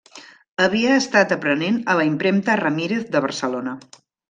Havia estat aprenent a la impremta Ramírez de Barcelona.